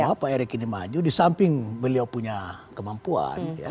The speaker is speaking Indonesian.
bahwa pak erick ini maju di samping beliau punya kemampuan